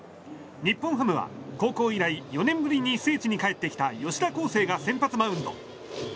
日本ハムは高校以来４年ぶりに聖地に帰ってきた吉田輝星が先発マウンド。